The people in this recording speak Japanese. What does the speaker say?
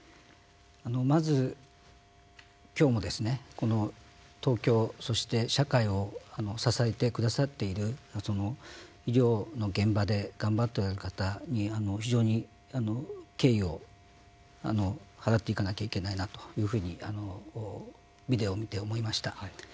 まず、きょうも東京そして社会を支えてくださっている医療の現場で頑張っておられる方に非常に敬意を払っていかなきゃいけないなというふうにビデオを見て思いました。